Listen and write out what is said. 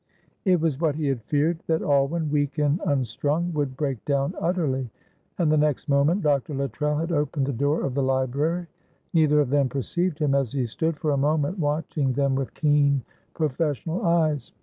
It was what he had feared, that Alwyn, weak and unstrung, would break down utterly, and the next moment Dr. Luttrell had opened the door of the library. Neither of them perceived him as he stood for a moment, watching them with keen professional eyes.